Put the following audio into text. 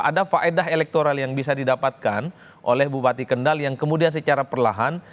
ada faedah elektoral yang bisa didapatkan oleh bupati kendal yang kemudian secara perlahan